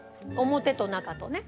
表と中とね。